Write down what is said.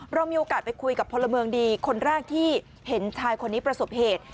เรามีโอกาสไปคุยกับพลเมืองดีคนแรกที่เห็นชายคนนี้ประสบเหตุ